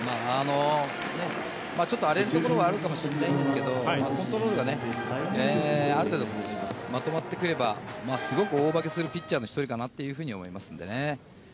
ちょっと荒れるところはあるかもしれないんですけど、コントロールがある程度まとまってくればすごく大化けするピッチャーの一人かなと思いますのでね。